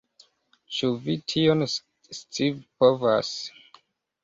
Ĉu vi tion scipovas?